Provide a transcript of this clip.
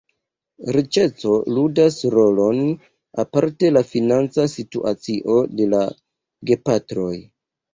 Riĉeco ludas rolon, aparte la financa situacio de la gepatroj.